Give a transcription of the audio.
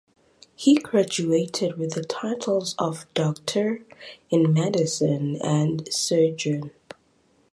He graduated with the titles of Doctor in Medicine and Surgeon.